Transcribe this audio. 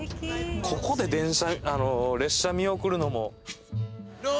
ここで、列車、見送るのも。